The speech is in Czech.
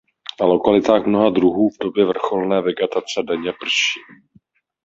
Na lokalitách mnoha druhů v době vrcholné vegetace denně prší.